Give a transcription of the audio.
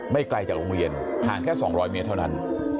ไกลจากโรงเรียนห่างแค่๒๐๐เมตรเท่านั้น